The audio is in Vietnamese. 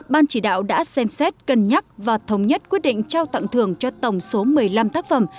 ban chỉ đạo đã xem xét cân nhắc và thống nhất quyết định trao tặng thưởng cho tổng số một mươi năm tác phẩm